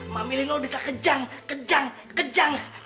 mami nol bisa kejang kejang kejang